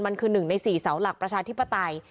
มันคือ๑ใน๔เสาหลักประชาธิปไตย